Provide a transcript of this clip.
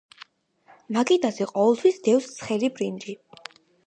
მაგიდაზე ყოველთვის დევს ცხელი ბრინჯი.